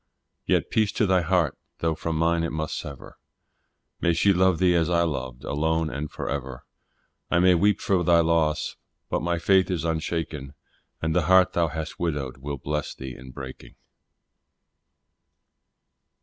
Yet peace to thy heart, though from mine it must sever, May she love thee as I loved, alone and for ever; I may weep for thy loss, but my faith is unshaken, And the heart thou hast widowed will bless thee in breaking.